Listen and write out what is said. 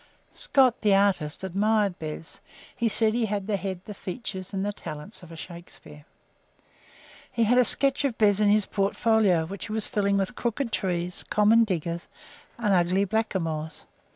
Scott, the artist, admired Bez; he said he had the head, the features, and the talent of a Shakespeare. He had a sketch of Bez in his portfolio, which he was filling with crooked trees, common diggers, and ugly blackamoors.